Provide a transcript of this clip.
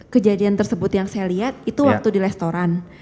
kejadian tersebut yang saya lihat itu waktu di restoran